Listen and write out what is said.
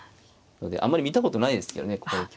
あんまり見たことないですけどね